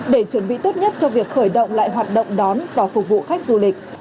để chuẩn bị tốt nhất cho việc khởi động lại hoạt động đón và phục vụ khách du lịch